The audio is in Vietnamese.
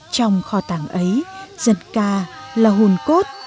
trong kho tàng ấy dân ca là hồn cốt